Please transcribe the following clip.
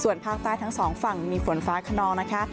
ภาคใต้ทั้งสองฝั่งมีฝนฟ้าขนองนะคะ